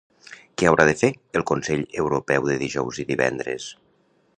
Què haurà de fer el Consell Europeu de dijous i divendres?